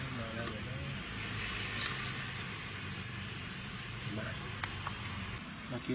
หมาแล้วหมาแล้ว